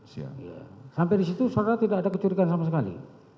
sampai disitu soalnya tidak ada kecurigaan sama sekali